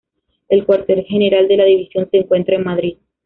El Cuartel General de la división se encuentra en Madrid.